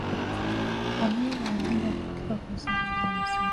Pamoja na wengine waliandika kuhusu Mila na desturi za kabila la Waha